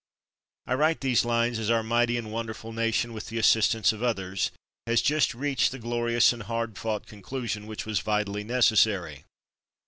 I write these lines as our mighty and wonderful nation, with the assistance of others, has just reached the glorious and hard fought conclusion which was vitally necessary.